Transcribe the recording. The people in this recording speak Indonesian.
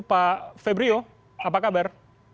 pak febrio apa kabar